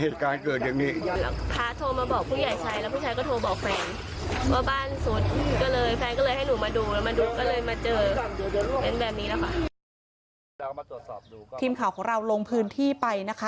ทีมข่าวของเราลงพื้นที่ไปนะคะ